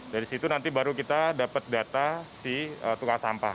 dari situ nanti baru kita dapat data si tukang sampah